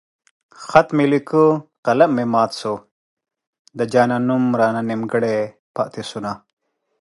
خط مې ليکو قلم مې مات شو د جانان نوم رانه نيمګړی پاتې شونه